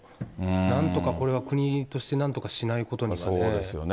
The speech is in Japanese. なんとかこれは国として、なんとかしないことにはですね。